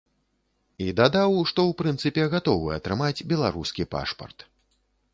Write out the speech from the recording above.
І дадаў, што ў прынцыпе, гатовы атрымаць беларускі пашпарт.